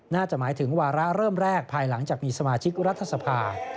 น่าจะหมายถึงวาระเริ่มแรกภายหลังจากมีสมาชิกรัฐสภา